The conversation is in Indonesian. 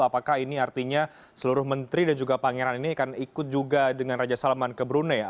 apakah ini artinya seluruh menteri dan juga pangeran ini akan ikut juga dengan raja salman ke brunei